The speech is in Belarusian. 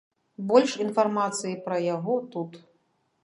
Больш інфармацыі пра яго тут.